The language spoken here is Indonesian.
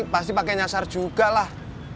pasti pakai nyasar juga lah